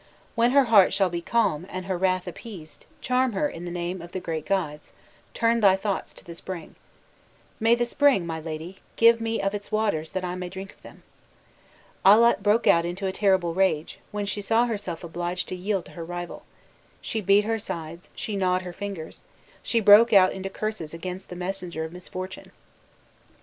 When her heart shall be calm, and her wrath appeased, charm her in the name of the great gods turn thy thoughts to the spring' 'May the spring, my lady, give me of its waters that I may drink of them.'" Allat broke out into a terrible rage, when she saw herself obliged to yield to her rival; "she beat her sides, she gnawed her fingers," she broke out into curses against the messenger of misfortune.